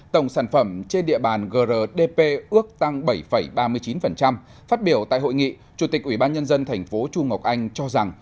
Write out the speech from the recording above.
tổng sản phẩm trên địa bàn grdp ước tăng bảy ba mươi chín phát biểu tại hội nghị chủ tịch ủy ban nhân dân thành phố chu ngọc anh cho rằng